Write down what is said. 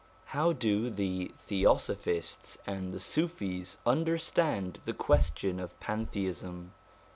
How do the Theosophists and the Sufis understand the question of Pantheism